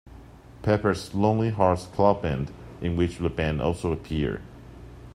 Pepper's Lonely Hearts Club Band, in which the band also appeared.